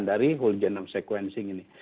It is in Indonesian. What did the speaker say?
kalau jenam sequencing ini